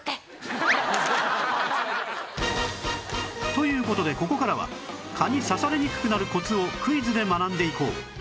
という事でここからは蚊に刺されにくくなるコツをクイズで学んでいこう